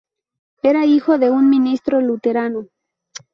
Era hijo de un ministro luterano.